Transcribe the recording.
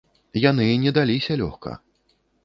Яны не даліся лёгка.